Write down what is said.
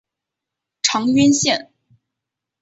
长渊线